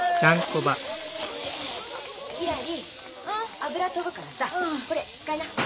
油飛ぶからさこれ使いな。